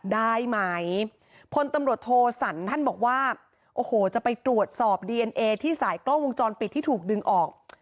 ได้ไหมพลตำรวจโทสันท่านบอกว่าโอ้โหจะไปตรวจสอบดีเอ็นเอที่สายกล้องวงจรปิดที่ถูกดึงออก